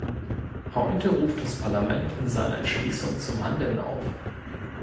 Heute ruft das Parlament in seiner Entschließung zum Handeln auf.